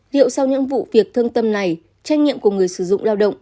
liệu sau những vụ việc thương tâm này trách nhiệm của người sử dụng lao động